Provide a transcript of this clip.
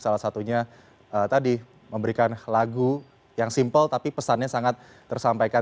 salah satunya tadi memberikan lagu yang simpel tapi pesannya sangat tersampaikan